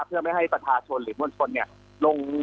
เพื่อไม่ให้ประชาชนหรือมวลชนลง